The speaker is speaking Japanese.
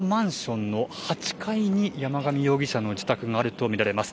このマンションの８階に山上容疑者の自宅があるとみられます。